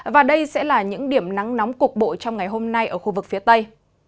và đây sẽ là những điểm nắng nóng cục bộ trong ngày hôm nay ở khu vực phía tây